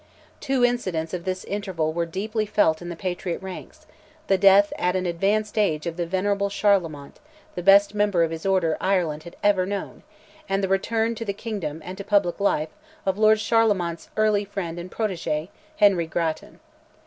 Two incidents of this interval were deeply felt in the patriot ranks, the death at an advanced age of the venerable Charlemont, the best member of his order Ireland had ever known, and the return to the kingdom and to public life of Lord Charlemont's early friend and protege, Henry Grattan.